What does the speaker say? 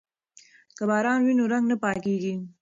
که باران وي نو رنګ نه پاکیږي.